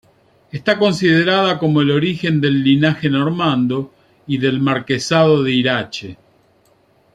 Está considerada como el origen del linaje normando y del marquesado de Irache.